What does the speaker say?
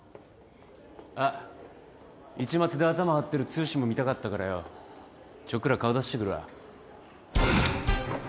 あっ市松でアタマはってる剛も見たかったからよちょっくら顔出してくるわ。